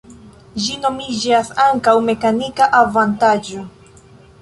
Ĝi nomiĝas ankaŭ mekanika avantaĝo.